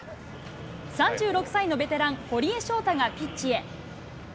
３６歳のベテラン、堀江翔太がピッチへ。